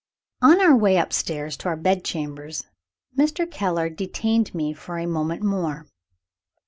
On our way upstairs to our bed chambers, Mr. Keller detained me for a moment more.